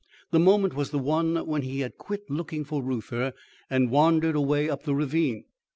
The moment was the one when he had quit looking for Reuther and wandered away up the ravine.